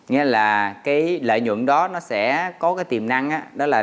nghĩa là cái lợi nhuận đó nó sẽ có cái tiềm năng đó là